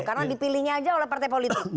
karena dipilihnya aja oleh partai politik